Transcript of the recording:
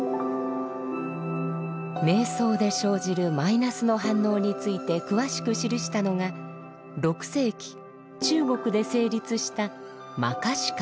瞑想で生じるマイナスの反応について詳しく記したのが６世紀中国で成立した「摩訶止観」です。